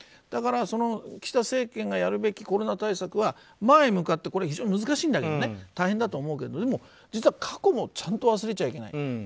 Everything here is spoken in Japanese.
だから岸田政権がやるべきコロナ対策は前に向かってこれも非常に難しいんだけど大変だと思うけどでも実は過去も忘れちゃいけない。